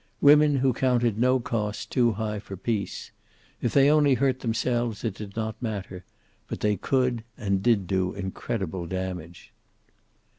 Women who counted no cost too high for peace. If they only hurt themselves it did not matter, but they could and did do incredible damage.